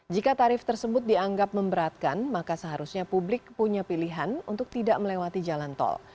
jika tarif tersebut dianggap memberatkan maka seharusnya publik punya pilihan untuk tidak melewati jalan tol